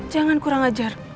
jangan kurang ajar